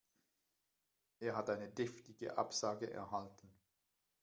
Er hat eine deftige Absage erhalten.